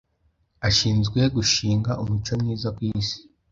ashinzwe gushinga umuco mwiza kwisi